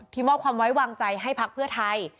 มอบความไว้วางใจให้พักเพื่อไทย